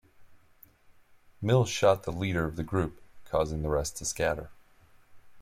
Mills shot the leader of the group, causing the rest to scatter.